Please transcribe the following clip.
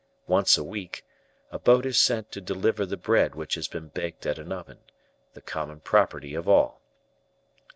Once a week, a boat is sent to deliver the bread which has been baked at an oven the common property of all.